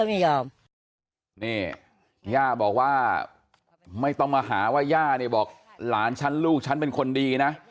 ไม่ยอมนี่ย่าบอกว่าไม่ต้องมาหาว่าย่าเนี่ยบอกหลานฉันลูกฉันเป็นคนดีนะ